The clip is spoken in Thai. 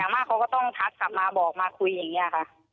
มากเขาก็ต้องทักกลับมาบอกมาคุยอย่างนี้ค่ะ